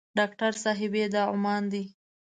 ډاکټر صاحبې دا عمان دی.